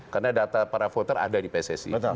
karena data para voter ada di pssi